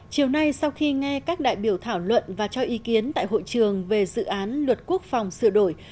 chiều nay sau khi nghe các đại biểu thảo luận và cho ý kiến tại hội trường về dự án luật quốc phòng sửa đổi